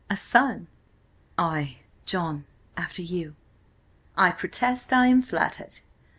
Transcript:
A son?" "Ay–John–after you." "I protest I am flattered.